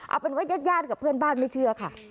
เอาเป็นว่าญาติกับเพื่อนบ้านไม่เชื่อค่ะ